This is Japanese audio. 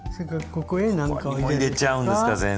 ここにも入れちゃうんですか先生。